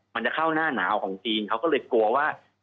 มันจะเข้าหน้าหนาวของจีนเขาก็เลยกลัวว่า